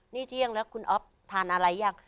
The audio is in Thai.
นี่เที่ยงแล้วคุณอ๊อฟทานอะไรยัง